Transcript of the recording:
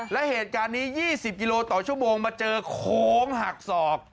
และเหตุการณ์นี้๒๐กิโลต่อชั่วโมงมาเจอโค้งหักศอก